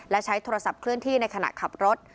และใช้โทรศัพท์เคลื่อนที่ในขณะขับรถ